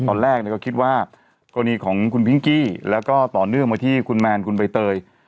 ตอนแรกก็คิดว่ากรณีของคุณพิงกี้แล้วก็ต่อเนื่องมาที่คุณแมนคุณใบเตย